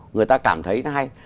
người ta cảm thấy nó hay